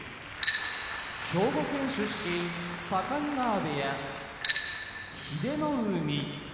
兵庫県出身境川部屋英乃海